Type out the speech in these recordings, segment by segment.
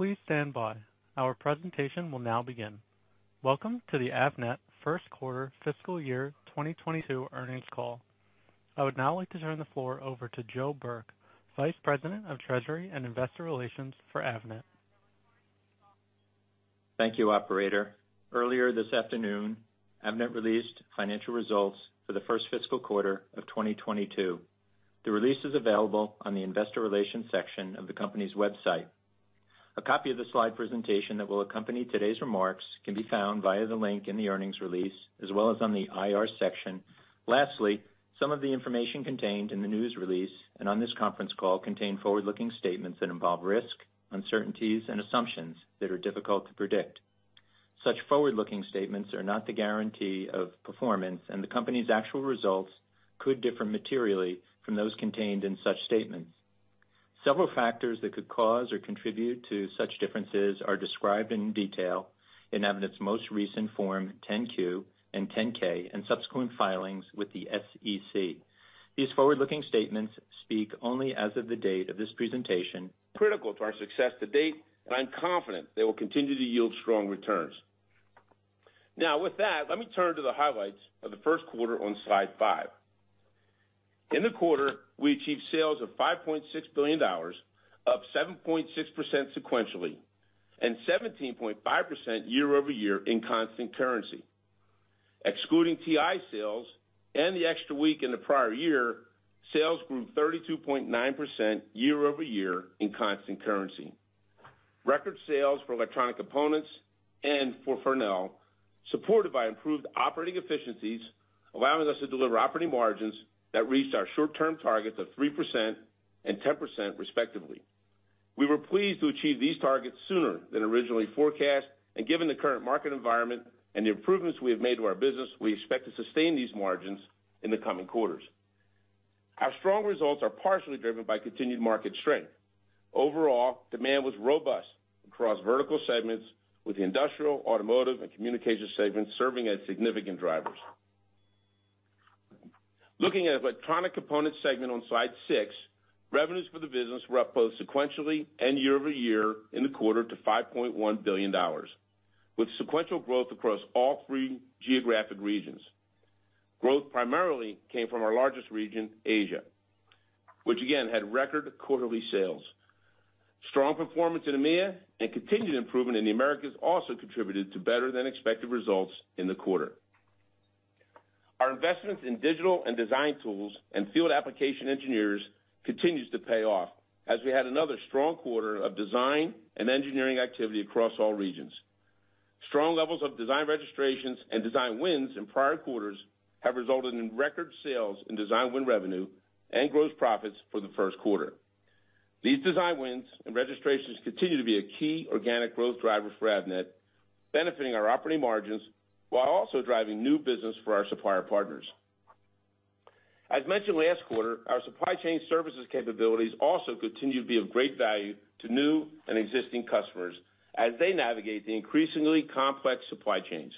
Please stand by. Our presentation will now begin. Welcome to the Avnet Q1 Fiscal Year 2022 earnings call. I would now like to turn the floor over to Joe Burke, Vice President of Treasury and Investor Relations for Avnet. Thank you, operator. Earlier this afternoon, Avnet released financial results for the first fiscal quarter of 2022. The release is available on the investor relations section of the company's website. A copy of the slide presentation that will accompany today's remarks can be found via the link in the earnings release, as well as on the IR section. Lastly, some of the information contained in the news release and on this conference call contain forward-looking statements that involve risk, uncertainties, and assumptions that are difficult to predict. Such forward-looking statements are not the guarantee of performance, and the company's actual results could differ materially from those contained in such statements. Several factors that could cause or contribute to such differences are described in detail in Avnet's most recent Form 10-Q and 10-K and subsequent filings with the SEC. These forward-looking statements speak only as of the date of this presentation. Critical to our success to date, and I'm confident they will continue to yield strong returns. Now, with that, let me turn to the highlights of the Q1 on slide 5. In the quarter, we achieved sales of $5.6 billion, up 7.6% sequentially, and 17.5% year-over-year in constant currency. Excluding TI sales and the extra week in the prior year, sales grew 32.9% year-over-year in constant currency. Record sales for Electronic Components and for Farnell, supported by improved operating efficiencies, allowing us to deliver operating margins that reached our short-term targets of 3% and 10% respectively. We were pleased to achieve these targets sooner than originally forecast, and given the current market environment and the improvements we have made to our business, we expect to sustain these margins in the coming quarters. Our strong results are partially driven by continued market strength. Overall, demand was robust across vertical segments, with the industrial, automotive, and communications segments serving as significant drivers. Looking at Electronic Components segment on Slide 6, revenues for the business were up both sequentially and year-over-year in the quarter to $5.1 billion, with sequential growth across all three geographic regions. Growth primarily came from our largest region, Asia, which again, had record quarterly sales. Strong performance in EMEA and continued improvement in the Americas also contributed to better than expected results in the quarter. Our investments in digital and design tools and field application engineers continues to pay off as we had another strong quarter of design and engineering activity across all regions. Strong levels of design registrations and design wins in prior quarters have resulted in record sales in design win revenue and gross profits for the Q1. These design wins and registrations continue to be a key organic growth driver for Avnet, benefiting our operating margins while also driving new business for our supplier partners. As mentioned last quarter, our supply chain services capabilities also continue to be of great value to new and existing customers as they navigate the increasingly complex supply chains.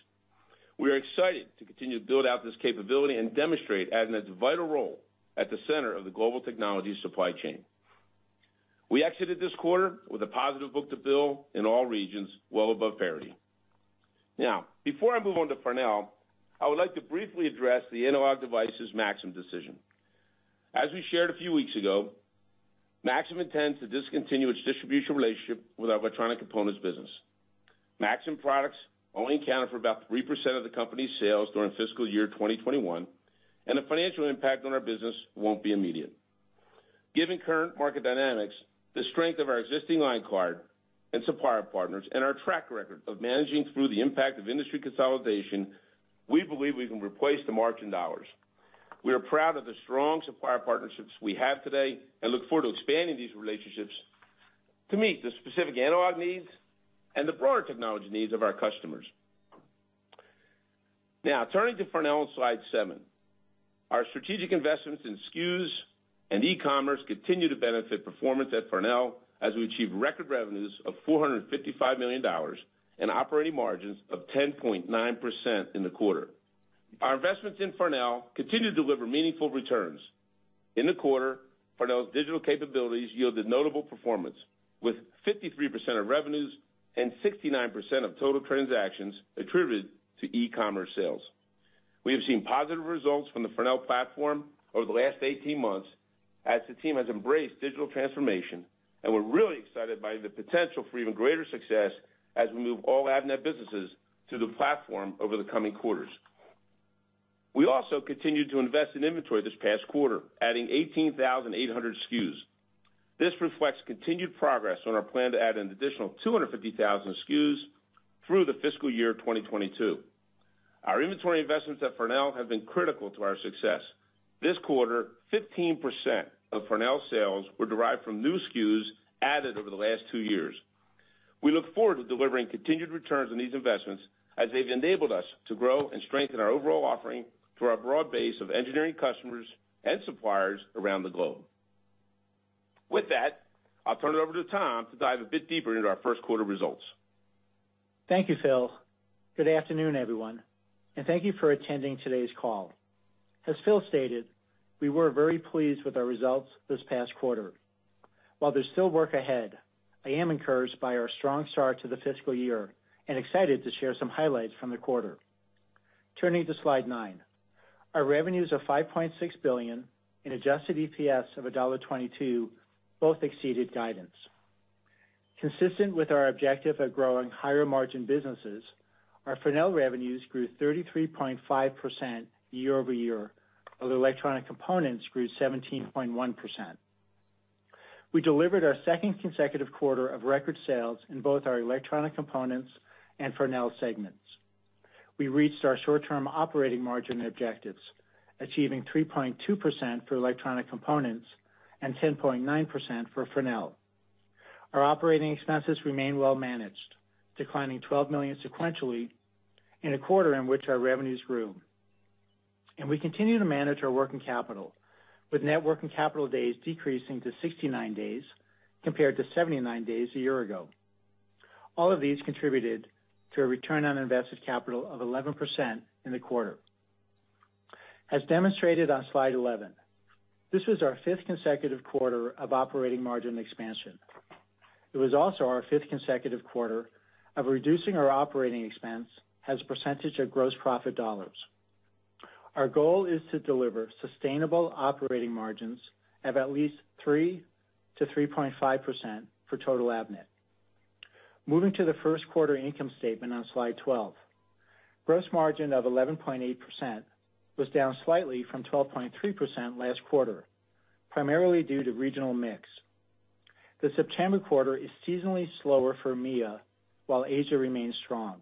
We are excited to continue to build out this capability and demonstrate Avnet's vital role at the center of the global technology supply chain. We exited this quarter with a positive book to bill in all regions, well above parity. Now, before I move on to Farnell, I would like to briefly address the Analog Devices Maxim decision. As we shared a few weeks ago, Maxim intends to discontinue its distribution relationship with our electronic components business. Maxim products only accounted for about 3% of the company's sales during fiscal year 2021, and the financial impact on our business won't be immediate. Given current market dynamics, the strength of our existing line card and supplier partners, and our track record of managing through the impact of industry consolidation, we believe we can replace the margin dollars. We are proud of the strong supplier partnerships we have today and look forward to expanding these relationships to meet the specific analog needs and the broader technology needs of our customers. Now, turning to Farnell on slide 7. Our strategic investments in SKUs and e-commerce continue to benefit performance at Farnell as we achieve record revenues of $455 million and operating margins of 10.9% in the quarter. Our investments in Farnell continue to deliver meaningful returns. In the quarter, Farnell's digital capabilities yielded notable performance, with 53% of revenues and 69% of total transactions attributed to e-commerce sales. We have seen positive results from the Farnell platform over the last 18 months as the team has embraced digital transformation, and we're really excited by the potential for even greater success as we move all Avnet businesses to the platform over the coming quarters. We also continued to invest in inventory this past quarter, adding 18,800 SKUs. This reflects continued progress on our plan to add an additional 250,000 SKUs through the fiscal year 2022. Our inventory investments at Farnell have been critical to our success. This quarter, 15% of Farnell sales were derived from new SKUs added over the last two years. We look forward to delivering continued returns on these investments as they've enabled us to grow and strengthen our overall offering to our broad base of engineering customers and suppliers around the globe. With that, I'll turn it over to Tom to dive a bit deeper into our Q1 results. Thank you, Phil. Good afternoon, everyone, and thank you for attending today's call. As Phil stated, we were very pleased with our results this past quarter. While there's still work ahead, I am encouraged by our strong start to the fiscal year and excited to share some highlights from the quarter. Turning to slide 9. Our revenues of $5.6 billion in adjusted EPS of $1.22 both exceeded guidance. Consistent with our objective of growing higher margin businesses, our Farnell revenues grew 33.5% year-over-year, while the electronic components grew 17.1%. We delivered our second consecutive quarter of record sales in both our electronic components and Farnell segments. We reached our short-term operating margin objectives, achieving 3.2% for electronic components and 10.9% for Farnell. Our operating expenses remain well managed, declining $12 million sequentially in a quarter in which our revenues grew. We continue to manage our working capital, with net working capital days decreasing to 69 days compared to 79 days a year ago. All of these contributed to a return on invested capital of 11% in the quarter. As demonstrated on slide 11, this was our fifth consecutive quarter of operating margin expansion. It was also our fifth consecutive quarter of reducing our operating expense as a percentage of gross profit dollars. Our goal is to deliver sustainable operating margins of at least 3%-3.5% for total Avnet. Moving to the Q1 income statement on slide 12. Gross margin of 11.8% was down slightly from 12.3% last quarter, primarily due to regional mix. The September quarter is seasonally slower for EMEA, while Asia remains strong.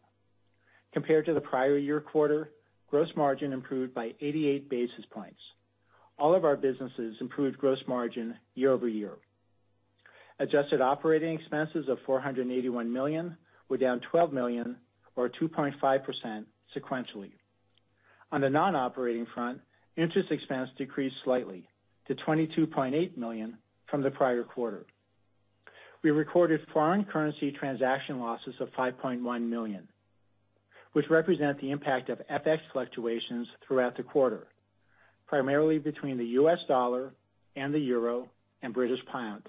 Compared to the prior year quarter, gross margin improved by 88 basis points. All of our businesses improved gross margin year-over-year. Adjusted operating expenses of $481 million were down $12 million or 2.5% sequentially. On the non-operating front, interest expense decreased slightly to $22.8 million from the prior quarter. We recorded foreign currency transaction losses of $5.1 million, which represent the impact of FX fluctuations throughout the quarter, primarily between the U.S. dollar and the euro and British pound,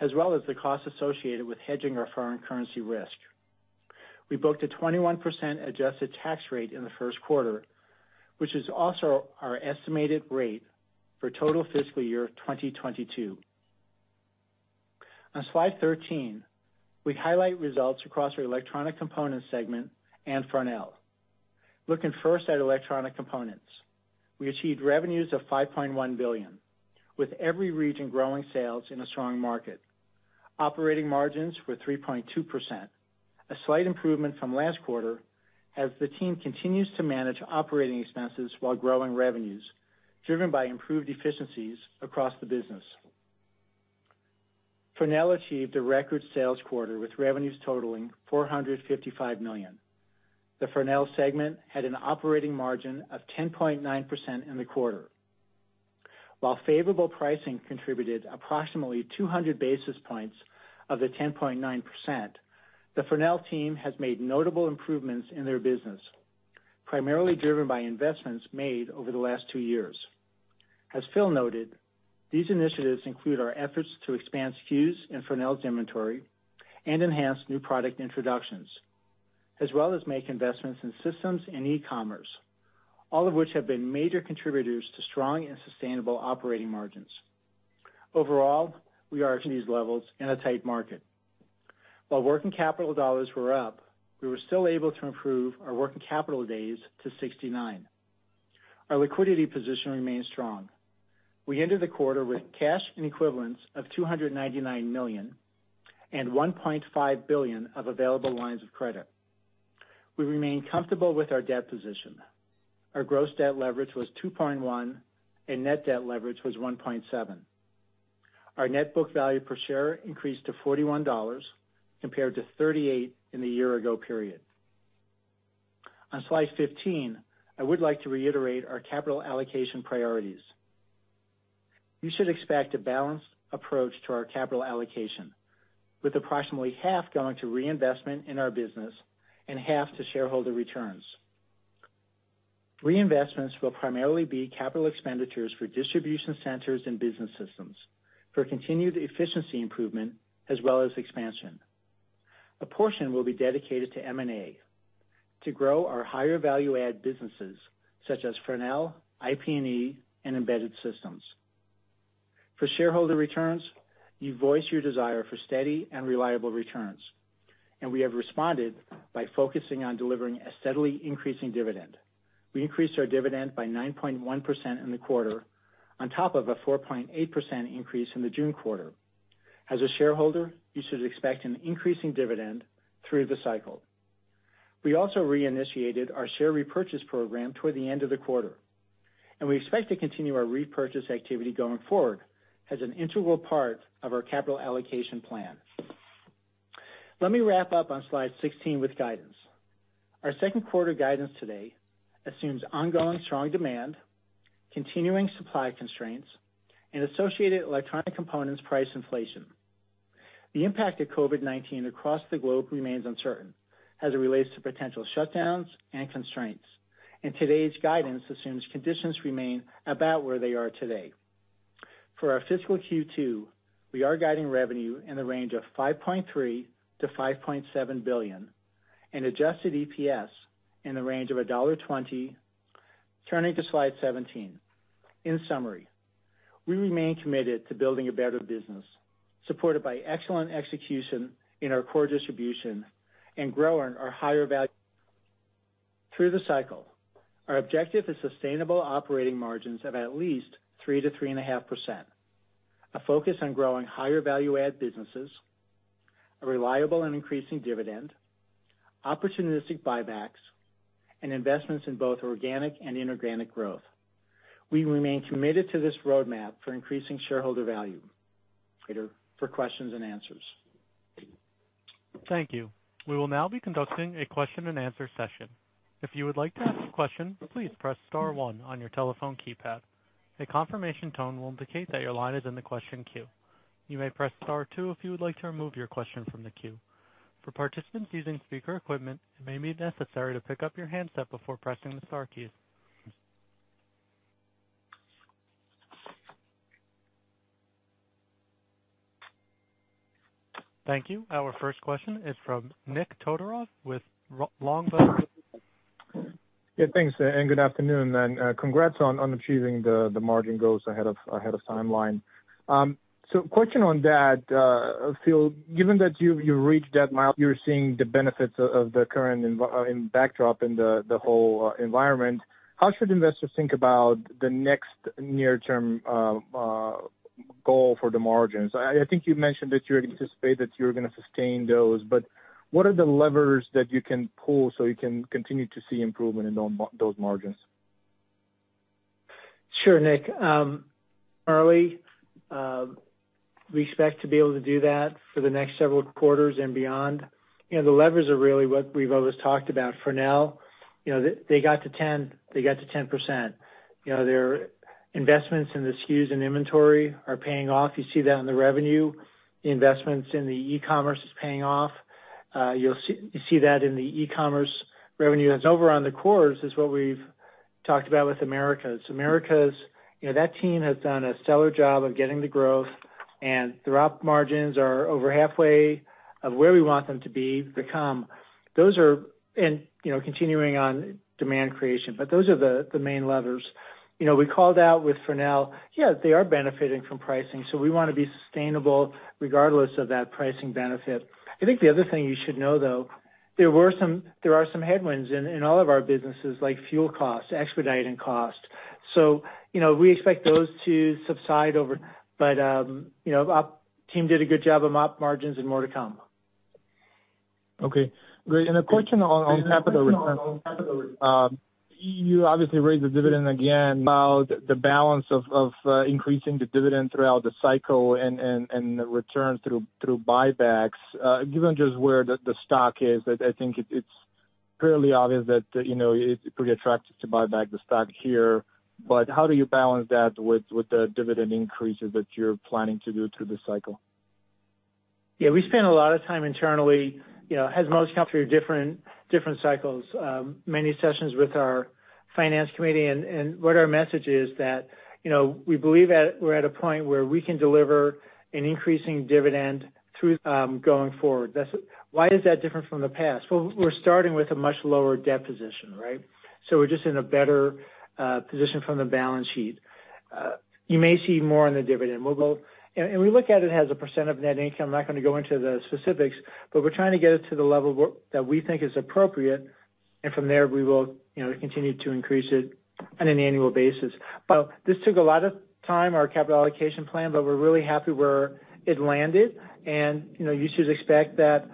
as well as the costs associated with hedging our foreign currency risk. We booked a 21% adjusted tax rate in the Q1, which is also our estimated rate for total fiscal year of 2022. On slide 13, we highlight results across our electronic components segment and Farnell. Looking first at electronic components, we achieved revenues of $5.1 billion, with every region growing sales in a strong market. Operating margins were 3.2%, a slight improvement from last quarter as the team continues to manage operating expenses while growing revenues, driven by improved efficiencies across the business. Farnell achieved a record sales quarter with revenues totaling $455 million. The Farnell segment had an operating margin of 10.9% in the quarter. While favorable pricing contributed approximately 200 basis points of the 10.9%, the Farnell team has made notable improvements in their business, primarily driven by investments made over the last 2 years. As Phil noted, these initiatives include our efforts to expand SKUs and Farnell's inventory and enhance new product introductions, as well as make investments in systems and e-commerce, all of which have been major contributors to strong and sustainable operating margins. Overall, we are at these levels in a tight market. While working capital dollars were up, we were still able to improve our working capital days to 69. Our liquidity position remains strong. We ended the quarter with cash and equivalents of $299 million and $1.5 billion of available lines of credit. We remain comfortable with our debt position. Our gross debt leverage was 2.1, and net debt leverage was 1.7. Our net book value per share increased to $41 compared to $38 in the year ago period. On slide 15, I would like to reiterate our capital allocation priorities. You should expect a balanced approach to our capital allocation, with approximately half going to reinvestment in our business and half to shareholder returns. Reinvestments will primarily be capital expenditures for distribution centers and business systems for continued efficiency improvement as well as expansion. A portion will be dedicated to M&A to grow our higher value add businesses such as Farnell, IP&E, and embedded systems. For shareholder returns, you voice your desire for steady and reliable returns, and we have responded by focusing on delivering a steadily increasing dividend. We increased our dividend by 9.1% in the quarter on top of a 4.8% increase in the June quarter. As a shareholder, you should expect an increasing dividend through the cycle. We also reinitiated our share repurchase program toward the end of the quarter, and we expect to continue our repurchase activity going forward as an integral part of our capital allocation plan. Let me wrap up on slide 16 with guidance. Our Q2 guidance today assumes ongoing strong demand, continuing supply constraints and associated electronic components price inflation. The impact of COVID-19 across the globe remains uncertain as it relates to potential shutdowns and constraints, and today's guidance assumes conditions remain about where they are today. For our fiscal Q2, we are guiding revenue in the range of $5.3 billion-$5.7 billion and adjusted EPS in the range of $1.20. Turning to slide 17. In summary, we remain committed to building a better business, supported by excellent execution in our core distribution and growing our higher value. Through the cycle, our objective is sustainable operating margins of at least 3%-3.5%. A focus on growing higher value add businesses, a reliable and increasing dividend, opportunistic buybacks, and investments in both organic and inorganic growth. We remain committed to this roadmap for increasing shareholder value. Peter for questions and answers. Thank you. We will now be conducting a question and answer session. If you would like to ask a question, please press star one on your telephone keypad. A confirmation tone will indicate that your line is in the question queue. You may press star two if you would like to remove your question from the queue. For participants using speaker equipment, it may be necessary to pick up your handset before pressing the star keys. Thank you. Our first question is from Nik Todorov with Longbow Research. Yeah, thanks and good afternoon, and congrats on achieving the margin goals ahead of timeline. So question on that, Phil, given that you've reached that milestone, you're seeing the benefits of the current environment in the backdrop of the whole environment. How should investors think about the next near-term goal for the margins? I think you mentioned that you anticipate that you're gonna sustain those, but what are the levers that you can pull so you can continue to see improvement in those margins? Sure, Nik. We expect to be able to do that for the next several quarters and beyond. You know, the levers are really what we've always talked about. For now, you know, they got to 10%. You know, their investments in the SKUs and inventory are paying off. You see that in the revenue. The investments in the e-commerce is paying off. You see that in the e-commerce revenue. Over on the core is what we've talked about with Americas. Americas, you know, that team has done a stellar job of getting the growth, and throughput margins are over halfway to where we want them to be. Those are, you know, continuing on demand creation, but those are the main levers. You know, we called out with Farnell. Yeah, they are benefiting from pricing, so we wanna be sustainable regardless of that pricing benefit. I think the other thing you should know, though, there are some headwinds in all of our businesses, like fuel costs, expediting costs. You know, we expect those to subside over. You know, op team did a good job of op margins and more to come. Okay, great. A question on capital return. You obviously raised the dividend again about the balance of increasing the dividend throughout the cycle and the return through buybacks. Given just where the stock is, I think it's fairly obvious that, you know, it's pretty attractive to buy back the stock here. How do you balance that with the dividend increases that you're planning to do to this cycle? Yeah, we spend a lot of time internally, you know, as most come through different cycles, many sessions with our finance committee and what our message is that, you know, we believe we're at a point where we can deliver an increasing dividend through going forward. That's why it's different from the past. Well, we're starting with a much lower debt position, right? We're just in a better position from the balance sheet. You may see more on the dividend. We look at it as a percent of net income. I'm not gonna go into the specifics, but we're trying to get it to the level that we think is appropriate, and from there, we will, you know, continue to increase it on an annual basis. This took a lot of time, our capital allocation plan, but we're really happy where it landed. You know, you should expect that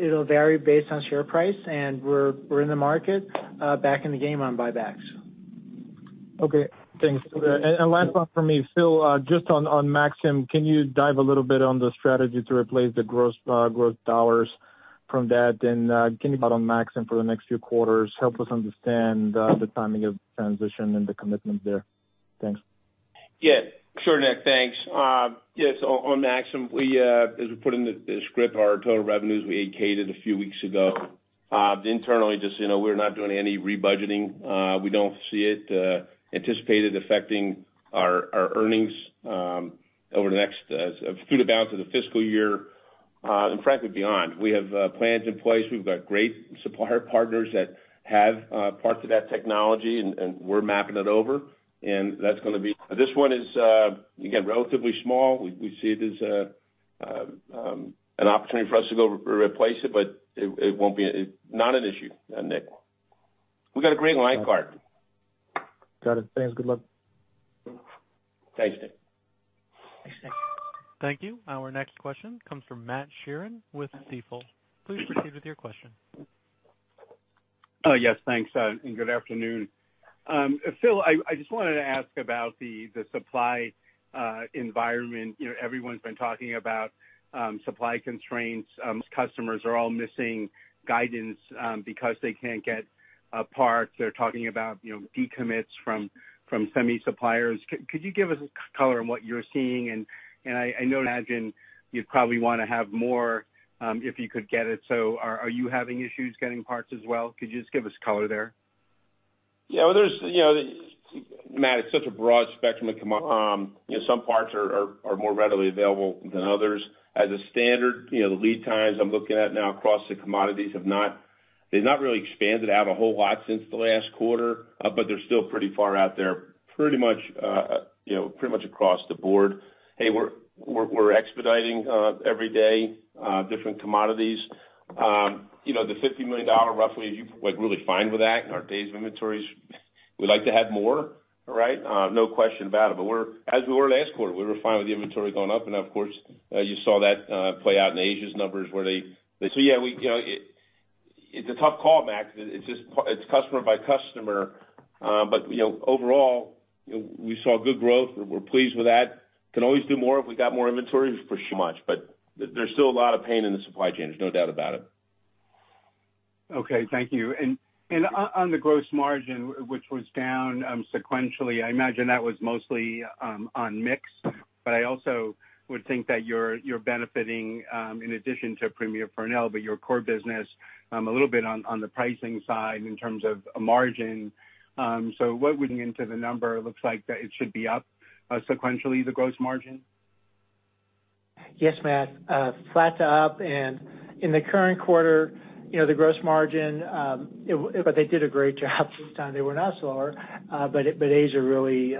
it'll vary based on share price, and we're in the market back in the game on buybacks. Okay, thanks. Last one for me. Phil, just on Maxim, can you dive a little bit on the strategy to replace the lost growth dollars from that? Can you talk about Maxim for the next few quarters to help us understand the timing of transition and the commitment there? Thanks. Yeah, sure Nik. Thanks. Yes, on Maxim, as we put in the script, our total revenues, we 8-K'd it a few weeks ago. Internally, just so you know, we're not doing any rebudgeting. We don't see it anticipated affecting our earnings over the next through the balance of the fiscal year, and frankly, beyond. We have plans in place. We've got great supplier partners that have parts of that technology and we're mapping it over. That's gonna be. This one is, again, relatively small. We see it as an opportunity for us to replace it, but it won't be. Not an issue, Nik. We got a great line card. Got it. Thanks. Good luck. Thanks, Nik. Thanks, Nik. Thank you. Our next question comes from Matt Sheerin with Stifel. Please proceed with your question. Yes, thanks, and good afternoon. Phil, I just wanted to ask about the supply environment. You know, everyone's been talking about supply constraints. Customers are all missing guidance because they can't get parts. They're talking about, you know, decommits from semi suppliers. Could you give us color on what you're seeing? I know imagine you'd probably wanna have more if you could get it, so are you having issues getting parts as well? Could you just give us color there? Well, you know, Matt, it's such a broad spectrum. You know, some parts are more readily available than others. As a standard, you know, the lead times I'm looking at now across the commodities have not really expanded out a whole lot since the last quarter, but they're still pretty far out there, pretty much, you know, pretty much across the board. Hey, we're expediting every day different commodities. You know, the $50 million roughly, we're really fine with that and our days inventories. We'd like to have more, right? No question about it. We're, as we were last quarter, we were fine with the inventory going up. Of course, you saw that play out in Asia's numbers. Yeah, you know, it's a tough call, Matt. It's just customer by customer. But, you know, overall, you know, we saw good growth. We're pleased with that. We can always do more if we got more inventories for so much, but there's still a lot of pain in the supply chain. There's no doubt about it. Okay. Thank you. On the gross margin, which was down sequentially, I imagine that was mostly on mix, but I also would think that you're benefiting in addition to Premier Farnell, but your core business a little bit on the pricing side in terms of margin. What went into the number? It looks like that it should be up sequentially, the gross margin. Yes, Matt. Flat to up. In the current quarter, you know, the gross margin, but they did a great job this time. They were not slower, but Asia really,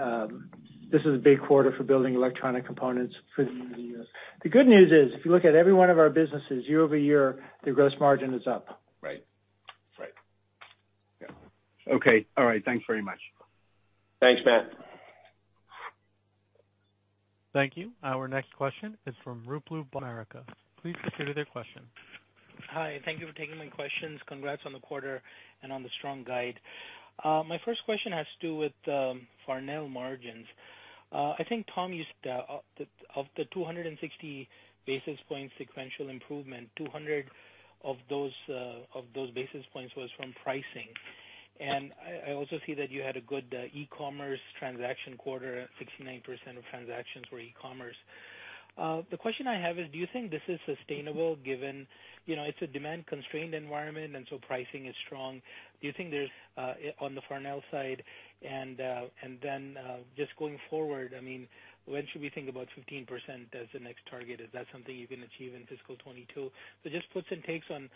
this is a big quarter for building electronic components for the U.S. The good news is, if you look at every one of our businesses year-over-year, the gross margin is up. Right. Right. Yeah. Okay. All right. Thanks very much. Thanks, Matt. Thank you. Our next question is from Ruplu Bhattacharya with Bank of America. Please proceed with your question. Hi. Thank you for taking my questions. Congrats on the quarter and on the strong guide. My first question has to do with Farnell margins. I think Tom used the 260 basis points sequential improvement, 200 of those basis points was from pricing. I also see that you had a good e-commerce transaction quarter, 69% of transactions were e-commerce. The question I have is, do you think this is sustainable given, you know, it's a demand-constrained environment, and so pricing is strong. Do you think there's on the Farnell side and then just going forward, I mean, when should we think about 15% as the next target? Is that something you can achieve in fiscal 2022? Just puts and takes on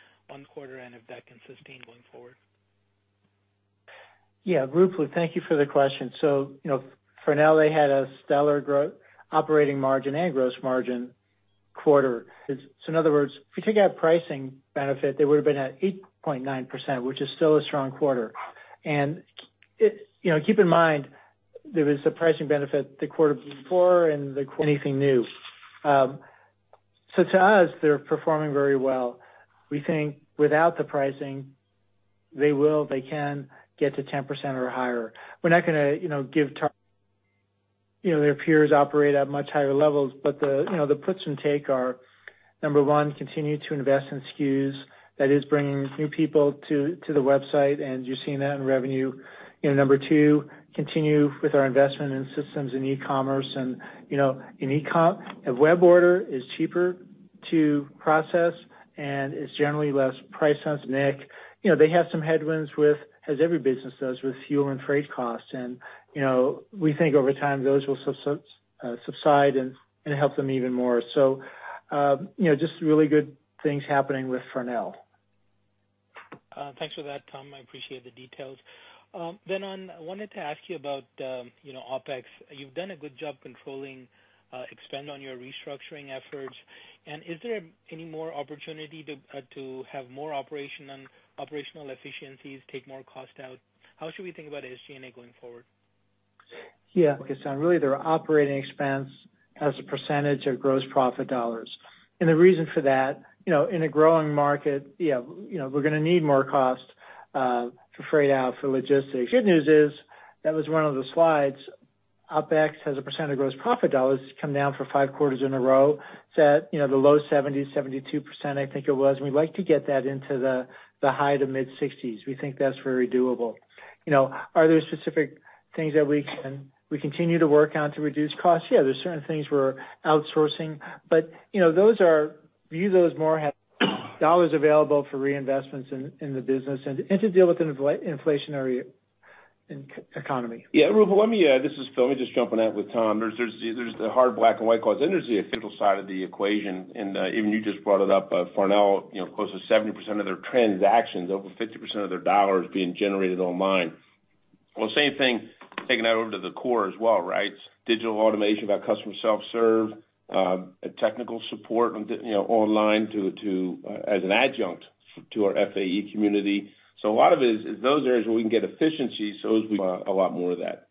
quarter and if that can sustain going forward. Yeah. Ruplu, thank you for the question. You know, Farnell, they had a stellar operating margin and gross margin quarter. In other words, if you take out pricing benefit, they would have been at 8.9%, which is still a strong quarter. You know, keep in mind, there was a pricing benefit the quarter before and that's anything new. To us, they're performing very well. We think without the pricing, they can get to 10% or higher. We're not gonna. You know, their peers operate at much higher levels, but you know, the puts and takes are, number one, continue to invest in SKUs that is bringing new people to the website, and you're seeing that in revenue. You know, number two, continue with our investment in systems and e-commerce. You know, a web order is cheaper to process, and it's generally less price sensitive. You know, they have some headwinds with, as every business does, with fuel and freight costs. You know, we think over time, those will subside and help them even more. You know, just really good things happening with Farnell. Thanks for that, Tom. I appreciate the details. I wanted to ask you about, you know, OpEx. You've done a good job controlling spend on your restructuring efforts. Is there any more opportunity to have more operational efficiencies take more cost out? How should we think about SG&A going forward? Yeah. Because really their operating expense as a percentage of gross profit dollars. The reason for that, you know, in a growing market, yeah, you know, we're gonna need more cost to freight out for logistics. Good news is, that was one of the slides. OpEx as a percent of gross profit dollars has come down for five quarters in a row. It's at, you know, the low 70, 72%, I think it was. We'd like to get that into the high to mid-60s. We think that's very doable. You know, are there specific things that we continue to work on to reduce costs? Yeah, there's certain things we're outsourcing. You know, view those more as dollars available for reinvestments in the business and to deal with an inflationary economy. Yeah. Ruplu, this is Phil. Let me just jump in there with Tom. There's the hard black and white costs. Then there's the official side of the equation. Even you just brought it up, Farnell, you know, close to 70% of their transactions, over 50% of their dollars being generated online. Well, same thing, taking that over to the core as well, right? Digital automation about customer self-serve, technical support, you know, online to as an adjunct to our FAE community. So a lot of it is those areas where we can get efficiency, so as we do a lot more of that.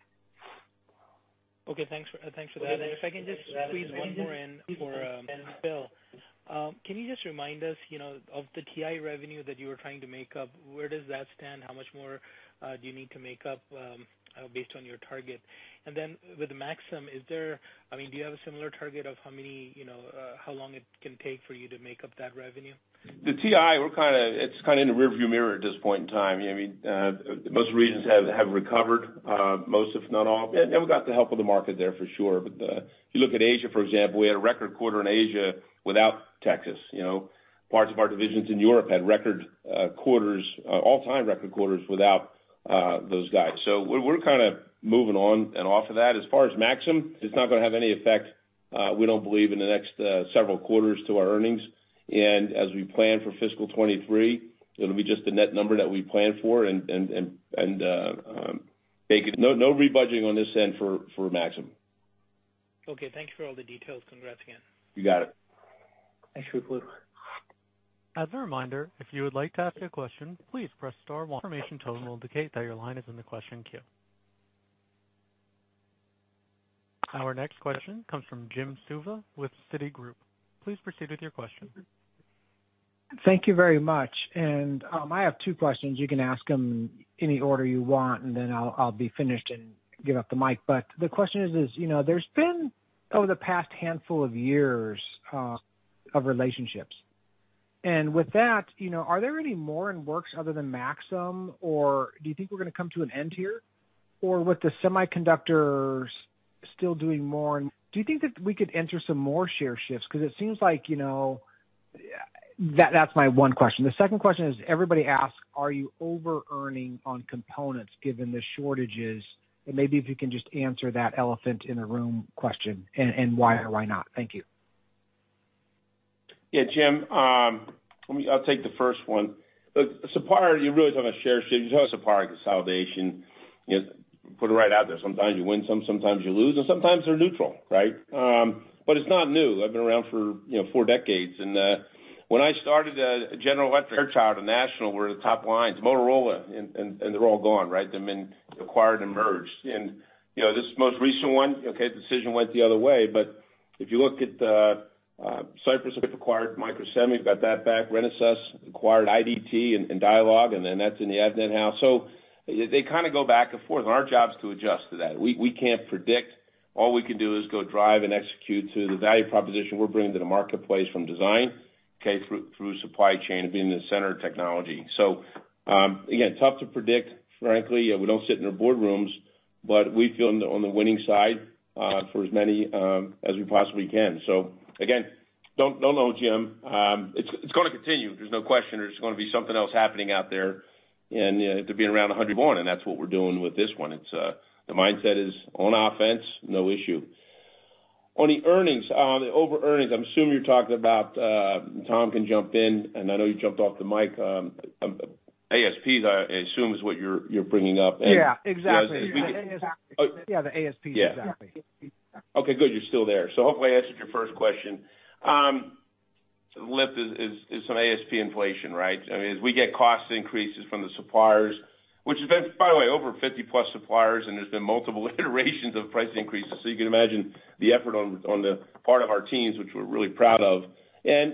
Okay, thanks for that. If I can just squeeze one more in for Phil. Can you just remind us, you know, of the TI revenue that you were trying to make up, where does that stand? How much more do you need to make up based on your target? Then with Maxim, I mean, do you have a similar target of how, you know, how long it can take for you to make up that revenue? The TI, it's kinda in the rearview mirror at this point in time. I mean, most regions have recovered, most if not all. We got the help of the market there for sure. If you look at Asia, for example, we had a record quarter in Asia without Texas, you know. Parts of our divisions in Europe had record quarters, all-time record quarters without those guys. We're kinda moving on and off of that. As far as Maxim, it's not gonna have any effect, we don't believe, in the next several quarters to our earnings. As we plan for fiscal 2023, it'll be just the net number that we plan for and take it. No rebudgeting on this end for Maxim. Okay. Thank you for all the details. Congrats again. You got it. Thanks for the clue. As a reminder, if you would like to ask a question, please press star one. An informational tone will indicate that your line is in the question queue. Our next question comes from Jim Suva with Citigroup. Please proceed with your question. Thank you very much. I have two questions. You can ask them any order you want, and then I'll be finished and give up the mic. The question is, you know, there's been over the past handful of years of relationships. With that, you know, are there any more in the works other than Maxim, or do you think we're gonna come to an end here? Or with the semiconductors still doing more, do you think that we could enter some more share shifts? 'Cause it seems like, you know. That's my one question. The second question is, everybody asks, are you overearning on components given the shortages? Maybe if you can just answer that elephant in the room question and why or why not? Thank you. Yeah, Jim, I'll take the first one. Look, supplier, you really talk about share shift, you talk supplier consolidation. You know, put it right out there. Sometimes you win some, sometimes you lose, and sometimes they're neutral, right? It's not new. I've been around for, you know, four decades. When I started at General Electric, Fairchild and National were the top lines. Motorola and they're all gone, right? They've been acquired and merged. You know, this most recent one, okay, decision went the other way. If you look at Cypress acquired Microsemi. We've got that back. Renesas acquired IDT and Dialog, and then that's in the Avnet house. So they kind of go back and forth, and our job is to adjust to that. We can't predict. All we can do is go drive and execute to the value proposition we're bringing to the marketplace from design, okay, through supply chain and being the center of technology. Again, tough to predict, frankly. We don't sit in our boardrooms, but we feel on the winning side for as many as we possibly can. Again, don't know, Jim. It's gonna continue. There's no question. There's gonna be something else happening out there. You know, to be around 100 more, and that's what we're doing with this one. The mindset is on offense, no issue. On the earnings, on the overearnings, I'm assuming you're talking about. Tom can jump in, and I know you jumped off the mic. ASP is, I assume, what you're bringing up and- Yeah, exactly. Yeah. The ASP. Oh. Yeah, the ASPs, exactly. Yeah. Okay, good. You're still there. Hopefully I answered your first question. Lift is some ASP inflation, right? I mean, as we get cost increases from the suppliers, which has been, by the way, over 50-plus suppliers, and there's been multiple iterations of price increases. You can imagine the effort on the part of our teams, which we're really proud of.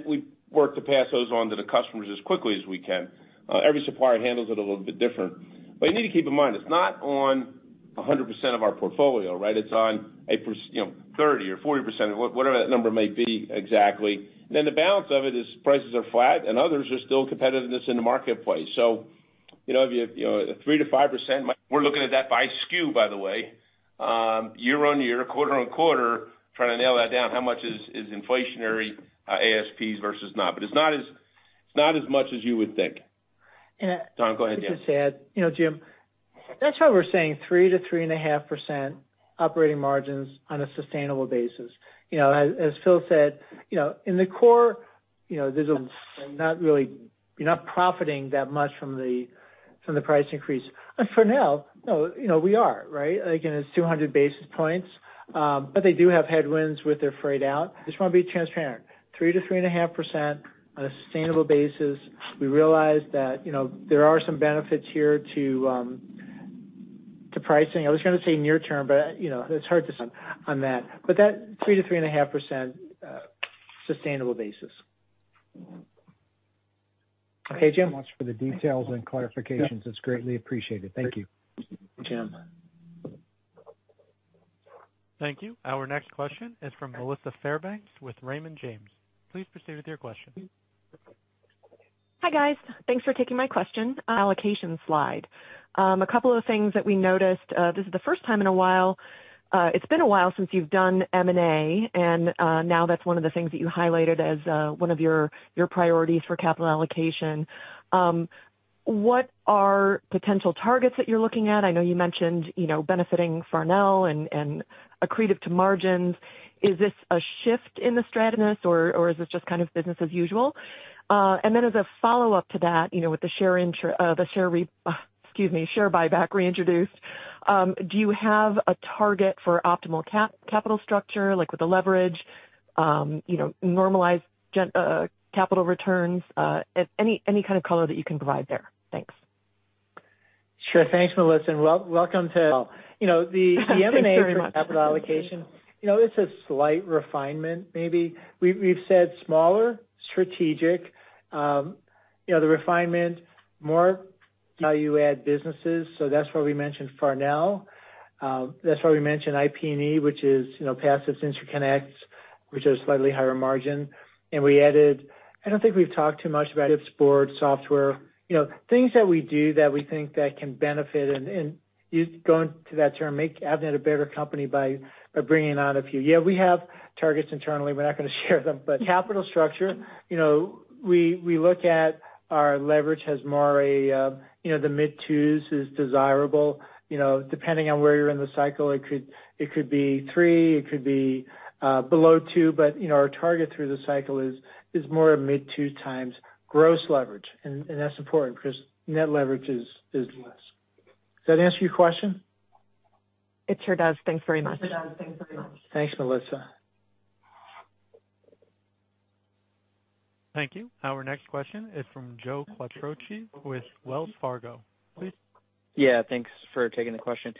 We work to pass those on to the customers as quickly as we can. Every supplier handles it a little bit different. You need to keep in mind, it's not on 100% of our portfolio, right? It's on a, you know, 30% or 40%, whatever that number may be exactly. The balance of it is prices are flat and others are still competitive in the marketplace. You know, if you know, 3%-5%, we're looking at that by SKU, by the way, year-on-year, quarter-on-quarter, trying to nail that down. How much is inflationary ASPs versus not? It's not as much as you would think. And, uh- Tom, go ahead. Yeah. Just to add. You know, Jim, that's why we're saying 3%-3.5% operating margins on a sustainable basis. You know, as Phil said, you know, in the core, you know, you're not profiting that much from the price increase. For now, you know, we are, right? Again, it's 200 basis points, but they do have headwinds with their freight out. I just wanna be transparent, 3%-3.5% on a sustainable basis. We realize that, you know, there are some benefits here to pricing. I was gonna say near term, but, you know, it's hard to say on that. That 3%-3.5% sustainable basis. Okay, Jim. Thanks so much for the details and clarifications. Yeah. It's greatly appreciated. Thank you. Jim. Thank you. Our next question is from Melissa Fairbanks with Raymond James. Please proceed with your question. Hi, guys. Thanks for taking my question. Allocation slide. A couple of things that we noticed. It's been a while since you've done M&A, and now that's one of the things that you highlighted as one of your priorities for capital allocation. What are potential targets that you're looking at? I know you mentioned, you know, benefiting Farnell and accretive to margins. Is this a shift in the strategic focus or is this just kind of business as usual? And then as a follow-up to that, you know, with the share buyback reintroduced, excuse me, do you have a target for optimal capital structure, like with the leverage, you know, normalized capital returns? Any kind of color that you can provide there? Thanks. Sure. Thanks, Melissa, and welcome to, you know, the Thanks very much.... the M&A capital allocation, you know, it's a slight refinement, maybe. We've said smaller, strategic, you know, the refinement more how you add businesses. That's why we mentioned Farnell. That's why we mentioned IP&E, which is, you know, passive interconnect, which is slightly higher margin. We added, I don't think we've talked too much about support software, you know, things that we do that we think that can benefit and going to that term, make Avnet a better company by bringing on a few. Yeah, we have targets internally. We're not gonna share them. Capital structure, you know, we look at our leverage as more of a, you know, the mid-2s is desirable. You know, depending on where you're in the cycle, it could be 3, it could be below 2. you know, our target through the cycle is more a mid-2x gross leverage. That's important because net leverage is less. Does that answer your question? It sure does. Thanks very much. Thanks, Melissa. Thank you. Our next question is from Joe Quatrochi with Wells Fargo. Please. Yeah, thanks for taking the question.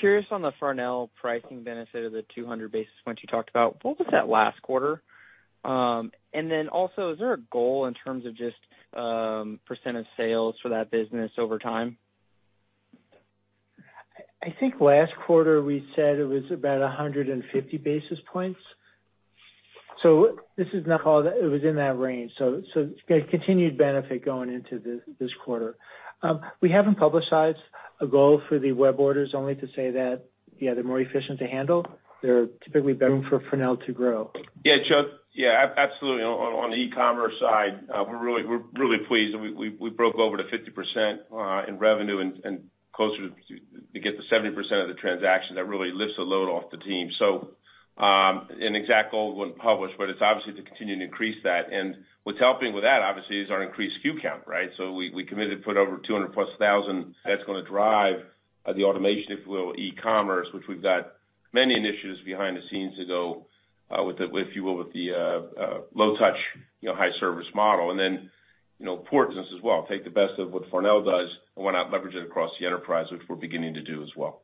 Curious on the Farnell pricing benefit of the 200 basis points you talked about. What was that last quarter? And then also, is there a goal in terms of just, % of sales for that business over time? I think last quarter we said it was about 150 basis points. This is not all. It was in that range. Continued benefit going into this quarter. We haven't publicized a goal for the web orders only to say that, yeah, they're more efficient to handle. They're typically better for Farnell to grow. Yeah, Joe. Yeah, absolutely. On the e-commerce side, we're really pleased. We broke over to 50% in revenue and closer to 70% of the transactions. That really lifts a load off the team. An exact goal wouldn't publish, but it's obviously to continue to increase that. What's helping with that obviously is our increased SKU count, right? We committed to put over 200,000. That's gonna drive the automation, if you will, e-commerce, which we've got many initiatives behind the scenes to go with the, if you will, low touch, you know, high service model. You know, importance as well. Take the best of what Farnell does and went out and leverage it across the enterprise, which we're beginning to do as well.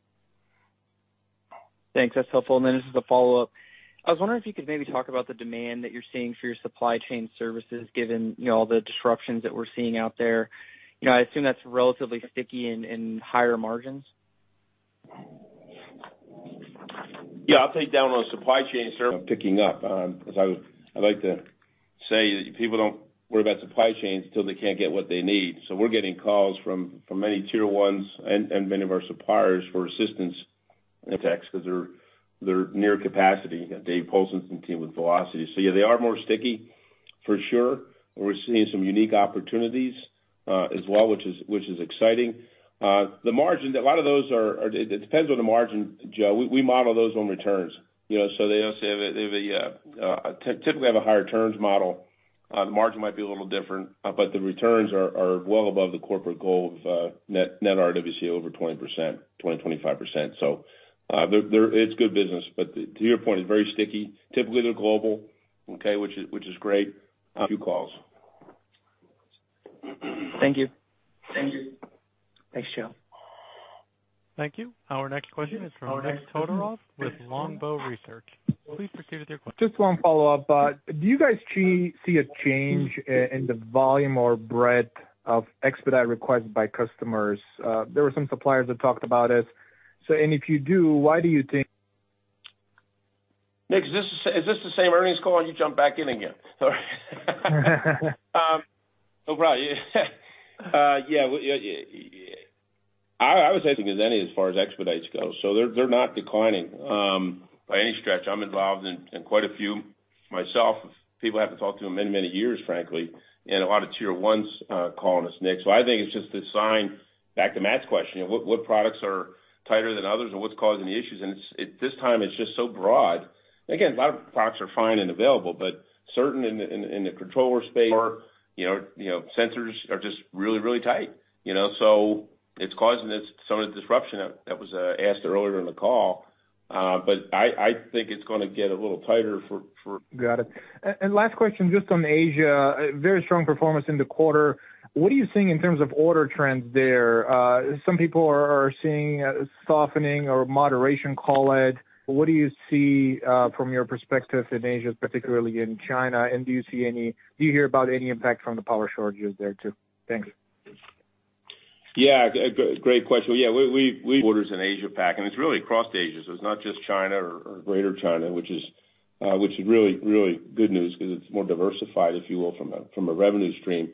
Thanks. That's helpful. This is a follow-up. I was wondering if you could maybe talk about the demand that you're seeing for your supply chain services, given, you know, all the disruptions that we're seeing out there. You know, I assume that's relatively sticky in higher margins. Yeah, I'll touch on supply chain services picking up. As I like to say, people don't worry about supply chains till they can't get what they need. We're getting calls from many Tier 1s and many of our suppliers for assistance in tech because they're near capacity. Dave Paulson's team with Velocity. Yeah, they are more sticky for sure. We're seeing some unique opportunities as well, which is exciting. The margins, a lot of those are. It depends on the margin, Joe. We model those on returns, you know. They also have a typically higher returns model. The margin might be a little different, but the returns are well above the corporate goal of net ROWC over 20%, 20%-25%. They're good business. To your point, it's very sticky. Typically they're global, okay, which is great. A few calls. Thank you. Thanks, Joe. Thank you. Our next question is from Nik Todorov with Longbow Research. Please proceed with your question. Just one follow-up. Do you guys see a change in the volume or breadth of expedite requests by customers? There were some suppliers that talked about it. If you do, why do you think- Nik, is this the same earnings call and you jump back in again? No problem. Yeah, I would say as far as expedites go. So they're not declining by any stretch. I'm involved in quite a few myself, people I haven't talked to in many years, frankly, and a lot of tier ones calling us, Nik. So I think it's just a sign. Back to Matt's question, you know, what products are tighter than others and what's causing the issues. This time it's just so broad. Again, a lot of products are fine and available, but certain in the controller space, you know, sensors are just really tight, you know. So it's causing some of the disruption that was asked earlier in the call. I think it's gonna get a little tighter for Got it. Last question, just on Asia. Very strong performance in the quarter. What are you seeing in terms of order trends there? Some people are seeing a softening or moderation, call it. What do you see from your perspective in Asia, particularly in China? Do you hear about any impact from the power shortages there too? Thanks. Yeah, great question. Yeah, weak orders in Asia Pac, and it's really across Asia. It's not just China or Greater China, which is really good news 'cause it's more diversified, if you will, from a revenue stream.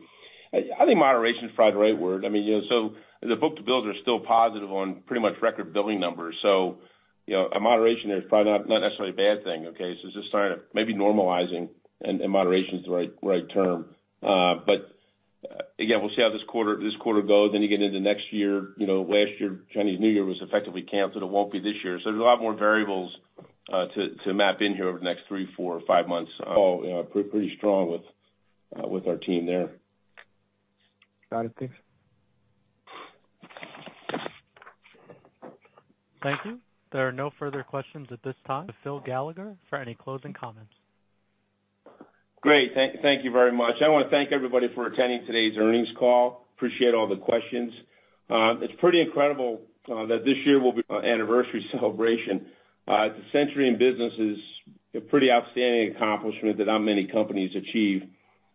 I think moderation is probably the right word. I mean, you know, the book to bill are still positive on pretty much record billing numbers. You know, a moderation is probably not necessarily a bad thing, okay? It's just starting to maybe normalize and moderation is the right term. Again, we'll see how this quarter goes, then you get into next year. You know, last year, Chinese New Year was effectively canceled. It won't be this year. There's a lot more variables to map in here over the next 3, 4, or 5 months. Oh, you know, pretty strong with our team there. Got it. Thanks. Thank you. There are no further questions at this time. To Phil Gallagher for any closing comments. Great. Thank you very much. I wanna thank everybody for attending today's earnings call. Appreciate all the questions. It's pretty incredible that this year will be our anniversary celebration. The century in business is a pretty outstanding accomplishment that not many companies achieve.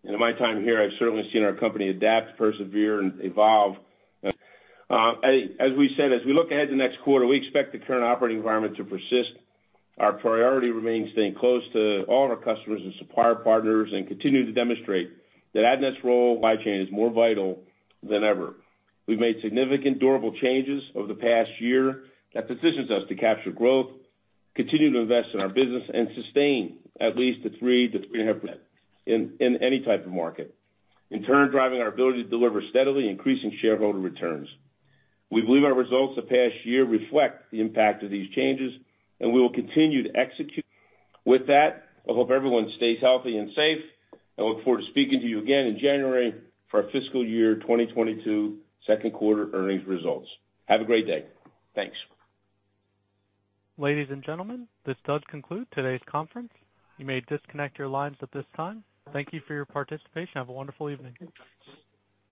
In my time here, I've certainly seen our company adapt, persevere, and evolve. As we said, as we look ahead to next quarter, we expect the current operating environment to persist. Our priority remains staying close to all of our customers and supplier partners and continue to demonstrate that Avnet's role in supply chain is more vital than ever. We've made significant durable changes over the past year that positions us to capture growth, continue to invest in our business, and sustain at least the 3%-3.5% in any type of market. In turn, driving our ability to deliver steadily increasing shareholder returns. We believe our results of the past year reflect the impact of these changes, and we will continue to execute. With that, I hope everyone stays healthy and safe. I look forward to speaking to you again in January for our fiscal year 2022 Q2 earnings results. Have a great day. Thanks. Ladies and gentlemen, this does conclude today's conference. You may disconnect your lines at this time. Thank you for your participation. Have a wonderful evening.